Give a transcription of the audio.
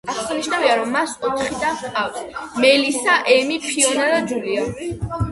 აღსანიშნავია, რომ მას ოთხი და ჰყავს: მელისა, ემი, ფიონა და ჯულია.